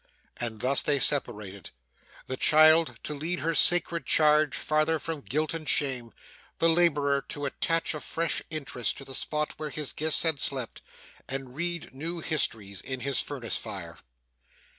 And thus they separated; the child to lead her sacred charge farther from guilt and shame; the labourer to attach a fresh interest to the spot where his guests had slept, and read new histories in his furnace fire.